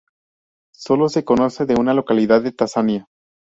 Sólo se conoce de una localidad de Tanzania.